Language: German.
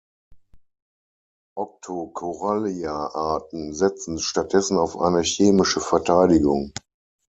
Octocorallia-Arten setzen stattdessen auf eine chemische Verteidigung.